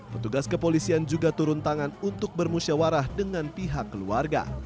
petugas kepolisian juga turun tangan untuk bermusyawarah dengan pihak keluarga